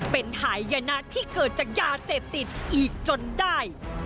เป็นหายนะที่เกิดจากยาเสพติดอีกจนได้